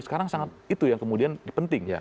sekarang sangat itu yang kemudian penting